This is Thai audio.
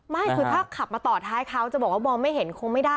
ไม่คือถ้าขับมาต่อท้ายเขาจะบอกว่ามองไม่เห็นคงไม่ได้